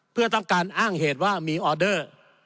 เพื่อต้องการอ้างเหตุว่ามีออเดอร์